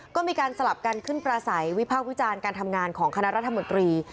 ก็มีการสลับกันขึ้นประสัยวิพากษ์วิจารณ์การทำงานของคณะรัฐมนตรี